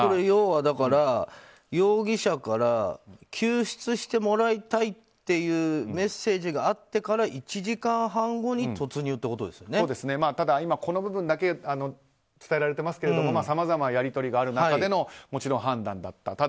要はだから容疑者から救出してもらいたいっていうメッセージがあってから１時間半後にただ、今、この部分だけ伝えられていますけれどさまざまやり取りがある中での判断だった。